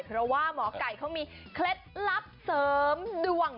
เพราะว่าหมอไก่เขามีเคล็ดลับเสริมดวง